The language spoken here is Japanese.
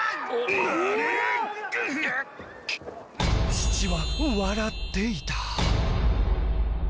父は笑っていた。